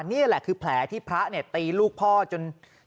นี่แหละคือแผลที่พระเนี่ยตีลูกพ่อจน